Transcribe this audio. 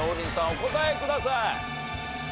お答えください。